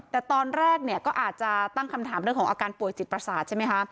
แต่ตอนแรกเนี่ยก็อาจจะตั้งคำถามเรื่องของอาการป่วยจิตประสาทใช่ไหมคะ